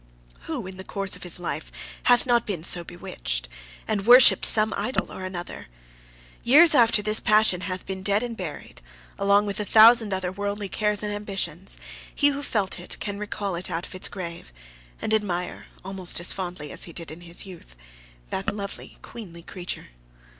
Who, in the course of his life, hath not been so bewitched, and worshipped some idol or another? Years after this passion hath been dead and buried, along with a thousand other worldly cares and ambitions, he who felt it can recall it out of its grave, and admire, almost as fondly as he did in his youth, that lovely queenly creature.